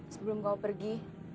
sebelum kamu pergi